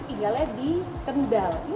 tinggalnya di kendal